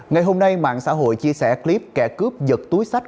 ngày hôm nay mạng xã hội chia sẻ clip kẻ cướp giật túi sách